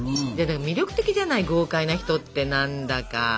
魅力的じゃない豪快な人って何だか。